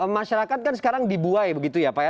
masyarakat kan sekarang dibuai begitu ya pak ya